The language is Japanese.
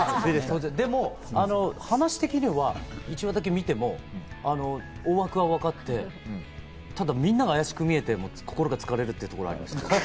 でも話的には１話だけ見ても大枠は分かって、ただみんなが怪しく見えて心が疲れるということがありました。